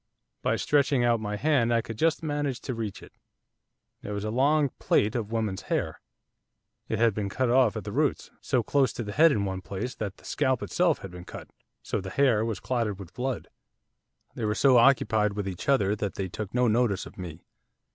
By stretching out my hand, I could just manage to reach it, it was a long plait of woman's hair. It had been cut off at the roots, so close to the head in one place that the scalp itself had been cut, so that the hair was clotted with blood. They were so occupied with each other that they took no notice of me.